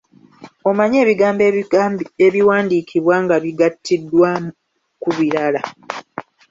Omanyi ebigambo ebiwandiikibwa nga bigattiddwa ku birala?